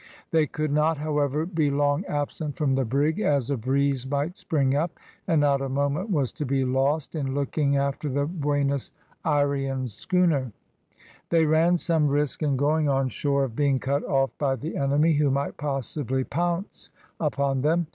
They could not, however, be long absent from the brig, as a breeze might spring up, and not a moment was to be lost in looking after the Buenos Ayrian schooner. They ran some risk in going on shore of being cut off by the enemy, who might possibly pounce upon them.